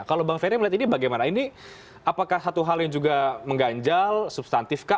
kalau bang ferry melihat ini bagaimana ini apakah satu hal yang juga mengganjal substantif kah